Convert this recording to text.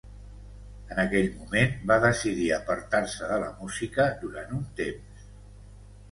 En aquell moment va decidir apartar-se de la música durant un temps.